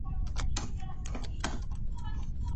Debe su nombre a San Rafael, custodio de la ciudad.